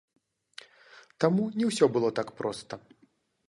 Таму, не ўсё было так проста.